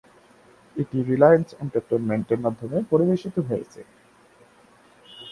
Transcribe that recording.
এটি রিলায়েন্স এন্টারটেইনমেন্টের মাধ্যমে পরিবেশিত হয়েছে।